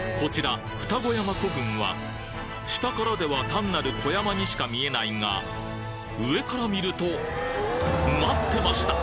こちら下からでは単なる小山にしか見えないが上から見ると待ってました！